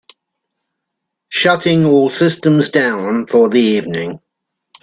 Shutting all systems down for the evening.